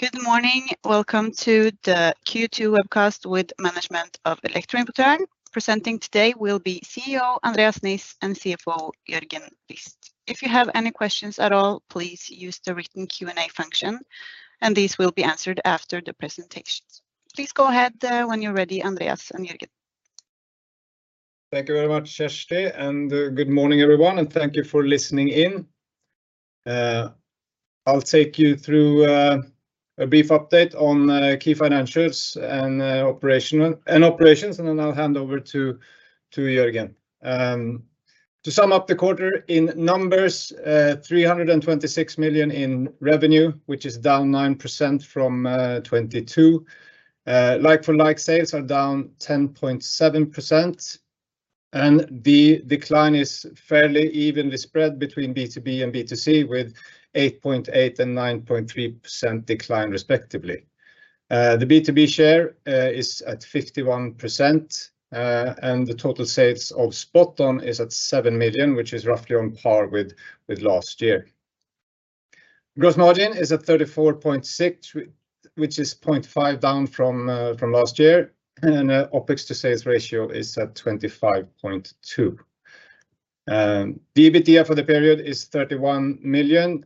Good morning. Welcome to the Q2 webcast with management of Elektroimportøren. Presenting today will be CEO, Andreas Niss, and CFO, Jørgen Wist. If you have any questions at all, please use the written Q&A function, and these will be answered after the presentations. Please go ahead when you're ready, Andreas and Jørgen. Thank you very much, Kjersti, good morning, everyone, and thank you for listening in. I'll take you through a brief update on key financials and operations, and then I'll hand over to Jørgen. To sum up the quarter in numbers, 326 million in revenue, which is down 9% from 2022. Like-for-like sales are down 10.7%, and the decline is fairly evenly spread between B2B and B2C, with 8.8 and 9.3% decline, respectively. The B2B share is at 51%, and the total sales of SpotOn is at 7 million, which is roughly on par with last year. Gross margin is at 34.6, which is 0.5 down from last year, and OPEX to sales ratio is at 25.2. The EBITDA for the period is 31 million,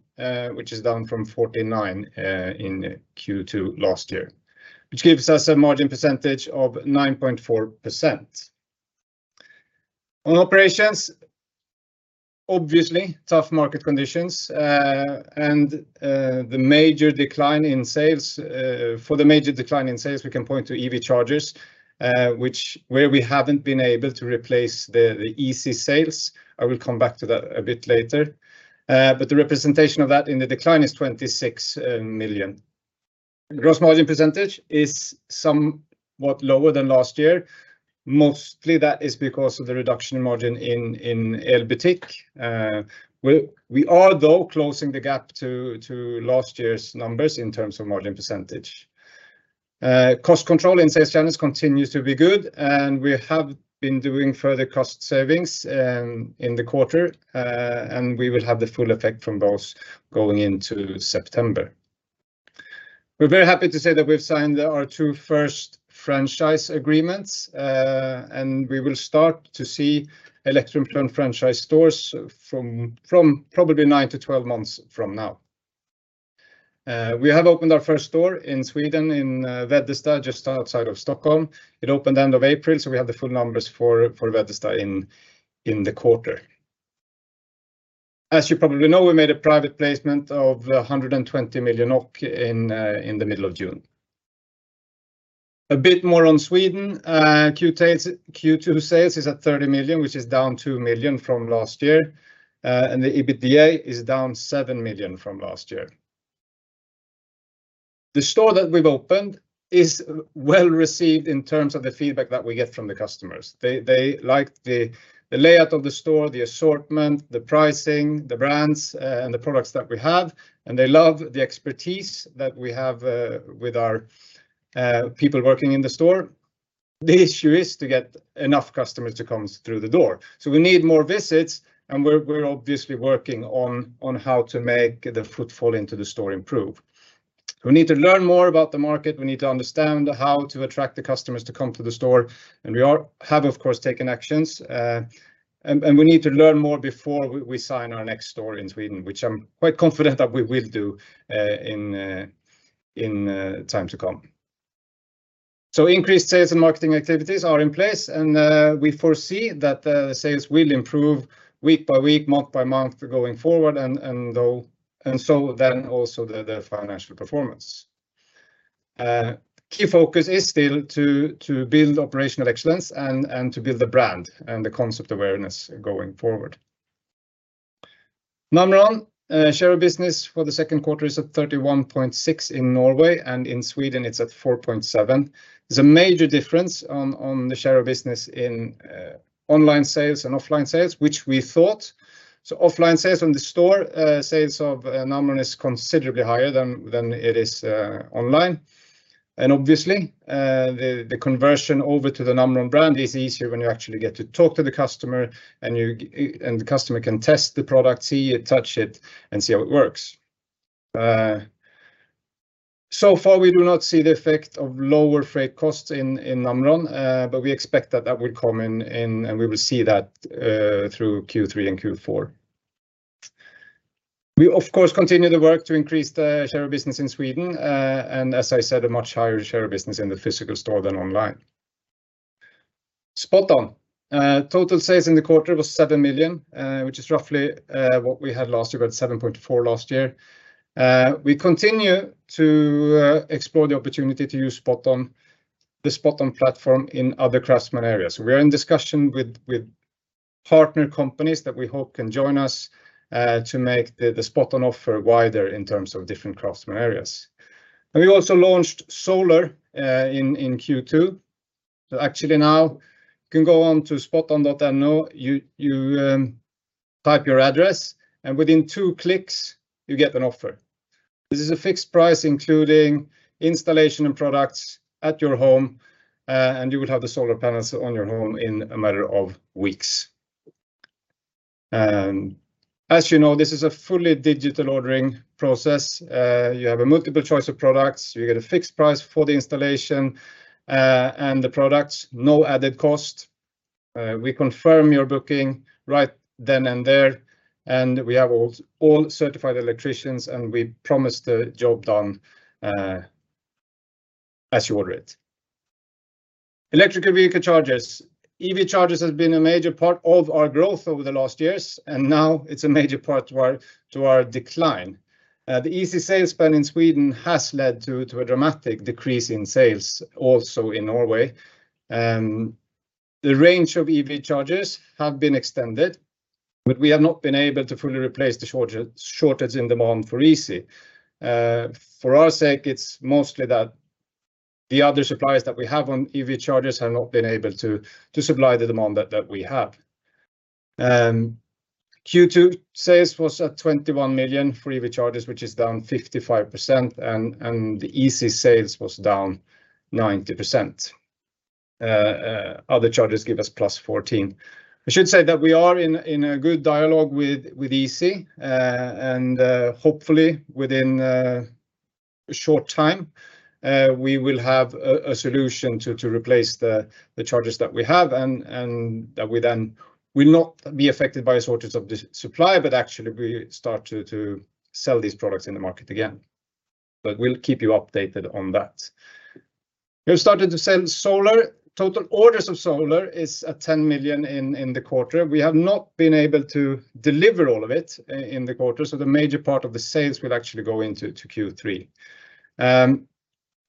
which is down from 49 million in Q2 last year, which gives us a margin percentage of 9.4%. On operations, obviously, tough market conditions, and the major decline in sales. For the major decline in sales, we can point to EV chargers, where we haven't been able to replace the Easee sales. I will come back to that a bit later. The representation of that in the decline is 26 million. Gross margin percentage is somewhat lower than last year. Mostly that is because of the reduction in margin in Elbutik. We are, though, closing the gap to last year's numbers in terms of margin percentage. Cost control in sales channels continues to be good. We have been doing further cost savings in the quarter, and we will have the full effect from those going into September. We're very happy to say that we've signed our two first franchise agreements, and we will start to see Elektroimportøren franchise stores from, from probably 9-12 months from now. We have opened our first store in Sweden, in Veddesta, just outside of Stockholm. It opened end of April. We have the full numbers for Veddesta in the quarter. As you probably know, we made a private placement of 120 million NOK in the middle of June. A bit more on Sweden, Q2 sales is at 30 million, which is down 2 million from last year. The EBITDA is down 7 million from last year. The store that we've opened is well-received in terms of the feedback that we get from the customers. They, they like the layout of the store, the assortment, the pricing, the brands, and the products that we have, and they love the expertise that we have with our people working in the store. The issue is to get enough customers to come through the door, so we need more visits, and we're, we're obviously working on, on how to make the footfall into the store improve. We need to learn more about the market. We need to understand how to attract the customers to come to the store, and we have, of course, taken actions. We need to learn more before we sign our next store in Sweden, which I'm quite confident that we will do in time to come. Increased sales and marketing activities are in place, and we foresee that the sales will improve week by week, month by month, going forward, and so then also the financial performance. Key focus is still to build operational excellence and to build the brand and the concept awareness going forward. Namron share of business for the second quarter is at 31.6 in Norway, and in Sweden it's at 4.7. There's a major difference on the share of business in online sales and offline sales, which we thought. Offline sales from the store, sales of Namron is considerably higher than, than it is online. Obviously, the conversion over to the Namron brand is easier when you actually get to talk to the customer, and the customer can test the product, see it, touch it, and see how it works. So far, we do not see the effect of lower freight costs in Namron, we expect that that will come in, and we will see that through Q3 and Q4. We, of course, continue the work to increase the share of business in Sweden, as I said, a much higher share of business in the physical store than online. SpotOn. Total sales in the quarter was 7 million, which is roughly what we had last year, about 7.4 million last year. We continue to explore the opportunity to use SpotOn, the SpotOn platform, in other craftsman areas. We are in discussion with, with partner companies that we hope can join us to make the SpotOn offer wider in terms of different craftsman areas. We also launched solar in Q2. Actually now, you can go on to SpotOn.no. You, you type your address, and within 2 clicks, you get an offer. This is a fixed price, including installation and products at your home, you will have the solar panels on your home in a matter of weeks.... As you know, this is a fully digital ordering process. You have a multiple choice of products. You get a fixed price for the installation, and the products, no added cost. We confirm your booking right then and there, and we have all certified electricians, and we promise the job done as you order it. Electrical vehicle chargers. EV chargers has been a major part of our growth over the last years, and now it's a major part to our decline. The Easee sales ban in Sweden has led to a dramatic decrease in sales, also in Norway. The range of EV chargers have been extended, but we have not been able to fully replace the shortage in demand for Easee. For our sake, it's mostly that the other suppliers that we have on EV chargers have not been able to supply the demand that we have. Q2 sales was at 21 million for EV chargers, which is down 55%. The Easee sales was down 90%. Other chargers give us +14. We should say that we are in a good dialogue with Easee. Hopefully within a short time, we will have a solution to replace the chargers that we have, and that we then will not be affected by a shortage of the supply, but actually we start to sell these products in the market again. We'll keep you updated on that. We've started to sell solar. Total orders of solar is at 10 million in the quarter. We have not been able to deliver all of it in the quarter, so the major part of the sales will actually go into Q3.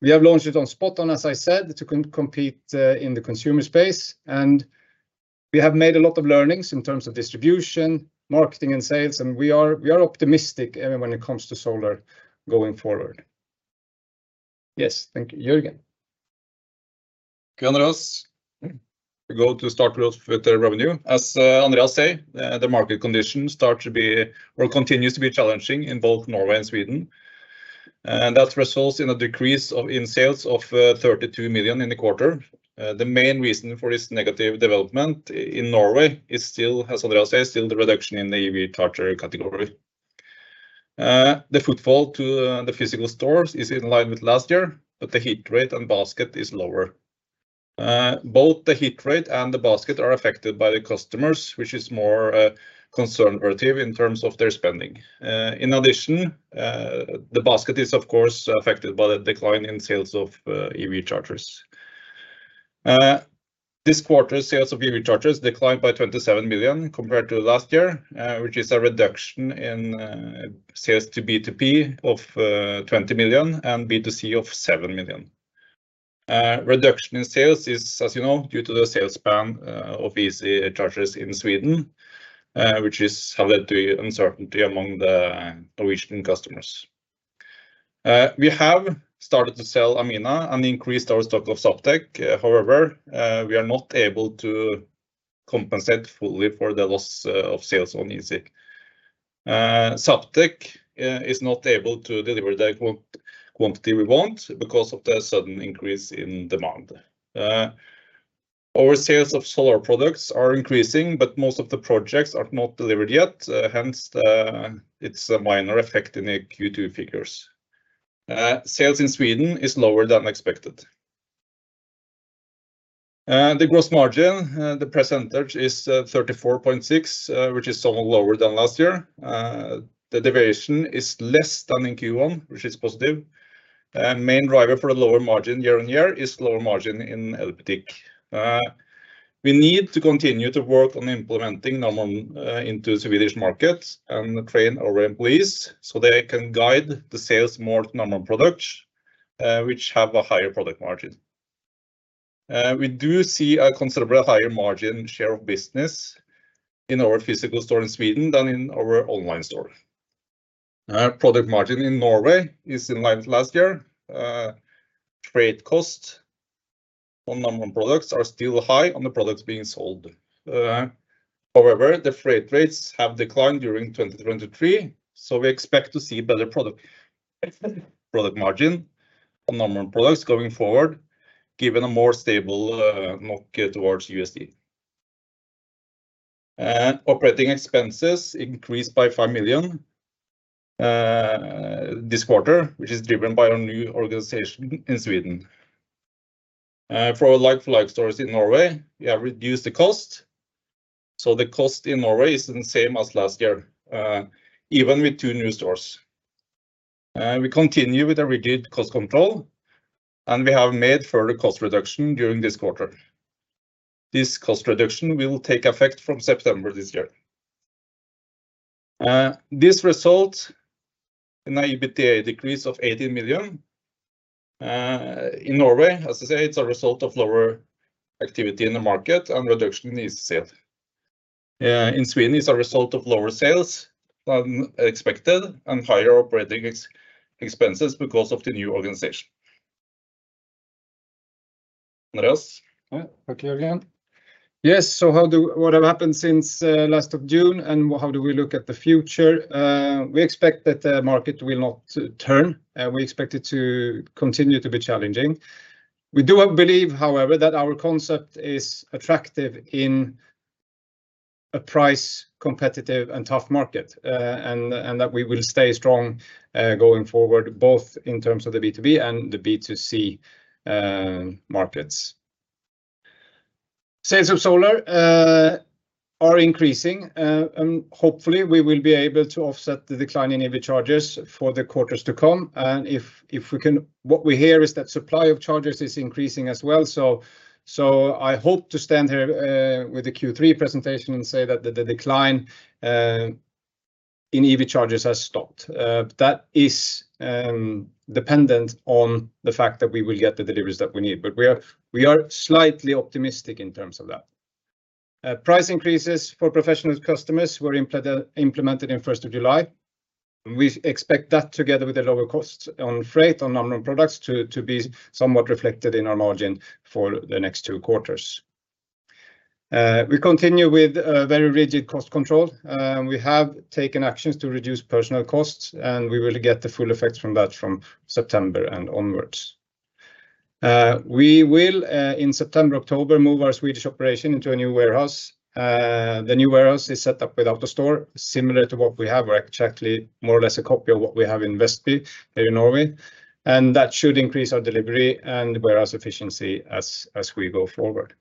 We have launched it on SpotOn, as I said, to compete, in the consumer space, and we have made a lot of learnings in terms of distribution, marketing, and sales, and we are optimistic when it comes to solar going forward. Yes, thank you. Jørgen. Good on us. We go to start with the revenue. As Andreas say, the market conditions start to be or continues to be challenging in both Norway and Sweden, that results in a decrease of, in sales of 32 million in the quarter. The main reason for this negative development in Norway is still, as Andreas said, still the reduction in the EV charger category. The footfall to the physical stores is in line with last year, the hit rate on basket is lower. Both the hit rate and the basket are affected by the customers, which is more conservative in terms of their spending. In addition, the basket is, of course, affected by the decline in sales of EV chargers. This quarter, sales of EV chargers declined by 27 million compared to last year, which is a reduction in sales to B2B of 20 million and B2C of 7 million. Reduction in sales is, as you know, due to the sales ban of Easee chargers in Sweden, which has led to uncertainty among the Norwegian customers. We have started to sell Amina and increased our stock of Sovtek. However, we are not able to compensate fully for the loss of sales on Easee. Sovtek is not able to deliver the quantity we want because of the sudden increase in demand. Our sales of solar products are increasing, but most of the projects are not delivered yet, hence, it's a minor effect in the Q2 figures. Sales in Sweden is lower than expected. The gross margin, the percentage is 34.6%, which is somewhat lower than last year. The deviation is less than in Q1, which is positive. Main driver for a lower margin year-on-year is lower margin in Elbutik. We need to continue to work on implementing Nomon into the Swedish markets and train our employees, so they can guide the sales more Nomon products, which have a higher product margin. We do see a considerably higher margin share of business in our physical store in Sweden than in our online store. Product margin in Norway is in line with last year. Freight cost on Nomon products are still high on the products being sold. However, the freight rates have declined during 2023, so we expect to see better product, product margin on Nomon products going forward, given a more stable market towards USD. Operating expenses increased by 5 million this quarter, which is driven by our new organization in Sweden. For our like-for-like stores in Norway, we have reduced the cost, so the cost in Norway is the same as last year, even with 2 new stores. We continue with a rigid cost control, and we have made further cost reduction during this quarter. This cost reduction will take effect from September this year. This result in EBITA decrease of 80 million. In Norway, as I say, it's a result of lower activity in the market and reduction in ease of sale. In Sweden, it's a result of lower sales than expected and higher operating expenses because of the new organization. Andreas? Okay, again. Yes, how do... What have happened since last of June, and how do we look at the future? We expect that the market will not turn, and we expect it to continue to be challenging. We do believe, however, that our concept is attractive in a price competitive and tough market, and that we will stay strong going forward, both in terms of the B2B and the B2C markets. Sales of solar are increasing, and hopefully we will be able to offset the decline in EV chargers for the quarters to come. If, if we can- what we hear is that supply of chargers is increasing as well, so, so I hope to stand here with the Q3 presentation and say that the decline in EV chargers has stopped. That is dependent on the fact that we will get the deliveries that we need, but we are, we are slightly optimistic in terms of that. Price increases for professional customers were implemented in 1st of July. We expect that together with the lower costs on freight, on Namron products, to be somewhat reflected in our margin for the next two quarters. We continue with a very rigid cost control. We have taken actions to reduce personal costs, and we will get the full effect from that from September and onwards. We will, in September, October, move our Swedish operation into a new warehouse. The new warehouse is set up with AutoStore, similar to what we have, or exactly more or less a copy of what we have in Vestby, there in Norway, and that should increase our delivery and warehouse efficiency as, as we go forward.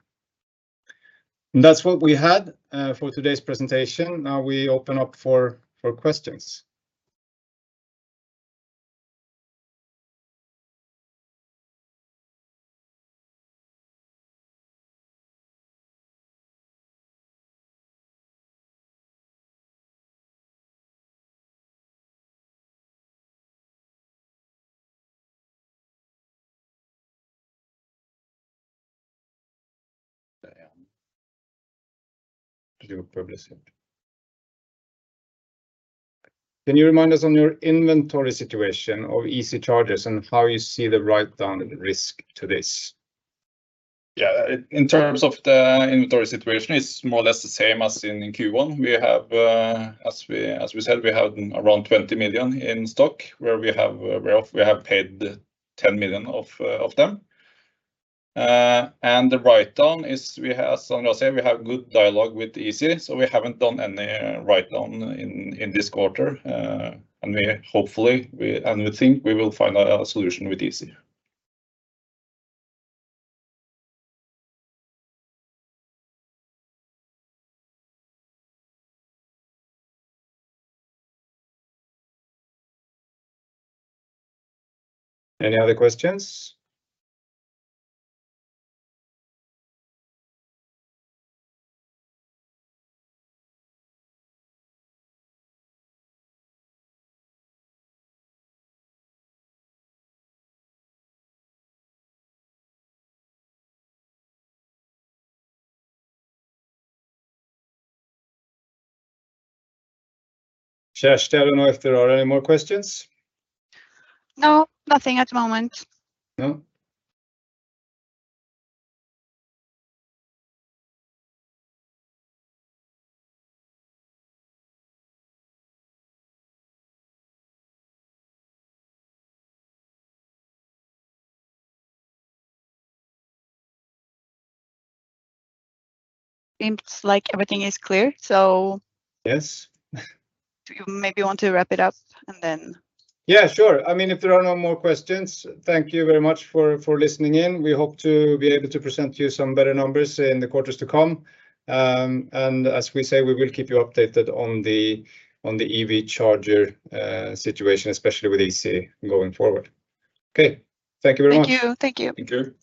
That's what we had for today's presentation. Now we open up for, for questions. Dan. Do publishing. Can you remind us on your inventory situation of Easee chargers and how you see the write-down risk to this? Yeah. In, in terms of the inventory situation, it's more or less the same as in Q1. We have, as we, as we said, we have around 20 million in stock, where we have, where we have paid 10 million of them. The write-down is we have, as I say, we have good dialogue with Easee, so we haven't done any write-down in, in this quarter. We hopefully, we think we will find a solution with Easee. Any other questions? Kerstin, are there any more questions? No, nothing at the moment. No. Seems like everything is clear, so- Yes. Do you maybe want to wrap it up, and then- Yeah, sure. I mean, if there are no more questions, thank you very much for, for listening in. We hope to be able to present you some better numbers in the quarters to come. As we say, we will keep you updated on the, on the EV charger situation, especially with Easee going forward. Okay. Thank you very much. Thank you. Thank you. Thank you.